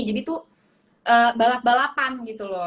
itu balap balapan gitu loh